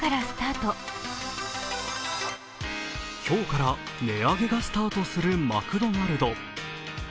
今日から値上げがスタートするマクドナルド。